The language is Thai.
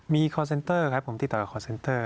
มีคอร์เซนเตอร์ครับผมติดต่อกับคอร์เซ็นเตอร์